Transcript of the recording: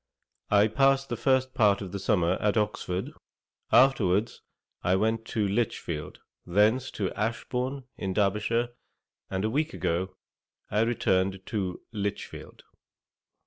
I past the first part of the summer at Oxford, afterwards I went to Lichfield, thence to Ashbourne, in Derbyshire, and a week ago I returned to Lichfield.